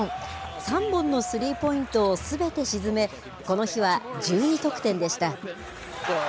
３本のスリーポイントをすべて沈め、この日は１２得点でした。